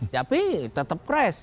tapi tetap keras